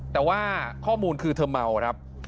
แต่ว่าข้อมูลคือเธอเมาครับ